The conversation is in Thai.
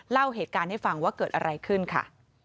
เล่าเหตุการณ์ให้ฟังว่าเกิดอะไรขึ้นค่ะ